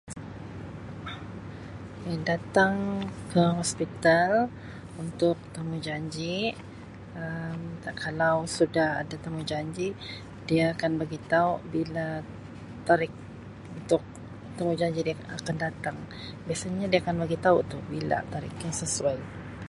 Datang ke hospital untuk temujanji Um kalau sudah ada temujanji dia akan bagitau bila tarikh untuk temujanji dia akan datang, biasanya dia akan bagitau tu bila tarikh yang sesuai.